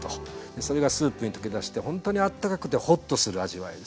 それがスープに溶け出してほんとにあったかくてほっとする味わいですね。